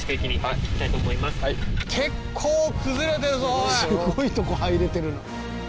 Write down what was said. それではすごいとこ入れてるな。